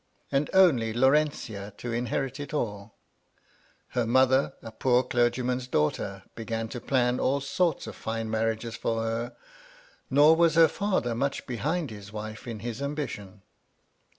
And only Laurentia to inherit it all I Her mother, a poor clergjonan's daughter, began to plan all sorts of fine marriages for her ; nor was her father much behind his wife in his ambition.